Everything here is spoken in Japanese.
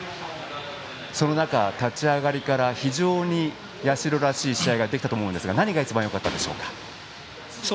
その中、立ち上がりから非常に社らしい試合ができたと思うんですが何が一番よかったでしょうか？